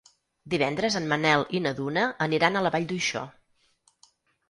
Divendres en Manel i na Duna aniran a la Vall d'Uixó.